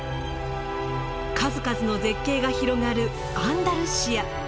数々の絶景が広がるアンダルシア。